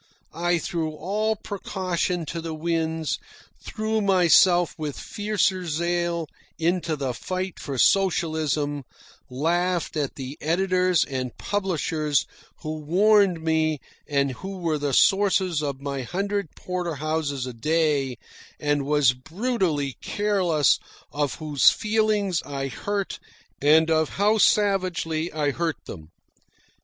I threw all precaution to the winds, threw myself with fiercer zeal into the fight for socialism, laughed at the editors and publishers who warned me and who were the sources of my hundred porterhouses a day, and was brutally careless of whose feelings I hurt and of how savagely I hurt them.